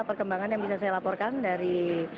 perkembangan yang bisa saya laporkan dari